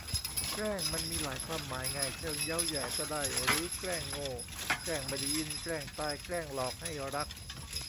แกล้งมันมีหลายความหมายไง เชิงเย้าแหย่ก็ได้ หรือแกล้งโง่ แกล้งไม่ได้ยิน แกล้งตาย แกล้งหลอกให้รัก